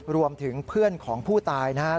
รวมถึงเพื่อนของผู้ตายนะครับ